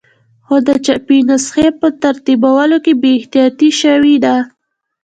خو د چاپي نسخې په ترتیبولو کې بې احتیاطي شوې ده.